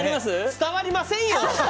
伝わりませんよ！